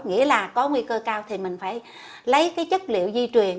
nghĩa là có nguy cơ cao thì mình phải lấy cái chất liệu di truyền